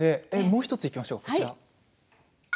もう１ついきましょう。